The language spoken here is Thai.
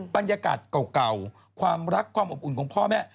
บรรยากาศเก่าความรักความอบอุ่นของพ่อแม่